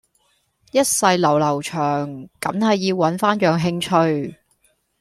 一世流流長緊係要搵返樣興趣